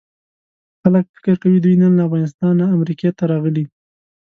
خلک فکر کوي دوی نن له افغانستانه امریکې ته راغلي.